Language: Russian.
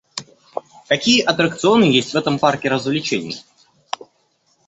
Какие аттракционы есть в этом парке развлечений?